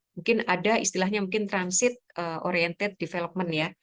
mungkin ada istilahnya transit oriented development